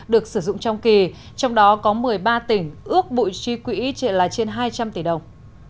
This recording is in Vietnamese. được sử dụng trong kỳ trong đó có một mươi ba tỉnh ước bộ chi quỹ trên hai trăm linh tỷ đồng